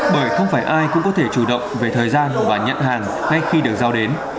bởi không phải ai cũng có thể chủ động về thời gian và nhận hàng ngay khi được giao đến